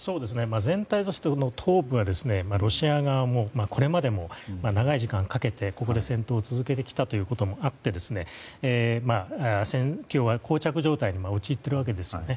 全体として東部はロシア側もこれまでも長い時間かけて戦闘を続けてきたこともあって戦況は膠着状態に陥っているわけですよね。